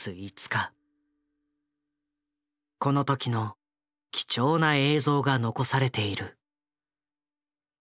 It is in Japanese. この時の貴重な映像が残されている。